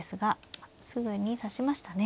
あっすぐに指しましたね。